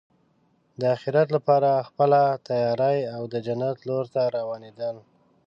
د اخرت لپاره خپله تیاری او د جنت لور ته روانېدل.